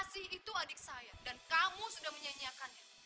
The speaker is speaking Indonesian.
asih itu adik saya dan kamu sudah menyanyiakannya